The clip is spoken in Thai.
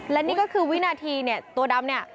และนี่ก็คือวินาทีเนี่ยตัวดำเนี่ย